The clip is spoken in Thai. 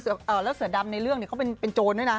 แล้วเสือดำในเรื่องเนี่ยเขาเป็นโจรด้วยนะ